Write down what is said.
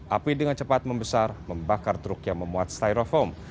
api dengan cepat membesar membakar truk yang memuat styrofoam